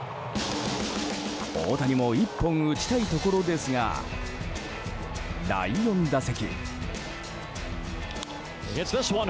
大谷も１本打ちたいところですが第４打席。